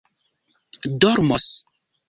dormos